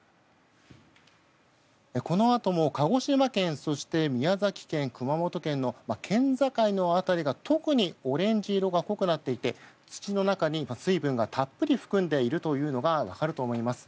このあとも鹿児島県そして宮崎県、熊本県の県境の辺りが、特にオレンジ色が濃くなっていて土の中に水分をたっぷり含んでいるというのが分かると思います。